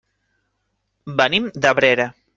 Venim d'Abrera.